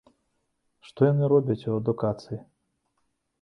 Што яны робяць у адукацыі?